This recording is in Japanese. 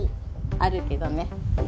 あるけどね。